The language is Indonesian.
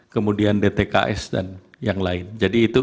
kemudian dtks dan yang lain jadi itu